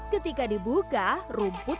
ketika dibuka rumputnya